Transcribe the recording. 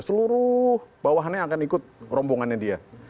seluruh bawahannya akan ikut rombongannya dia